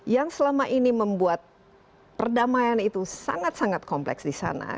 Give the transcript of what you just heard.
yang selama ini membuat perdamaian itu sangat sangat kompleks di sana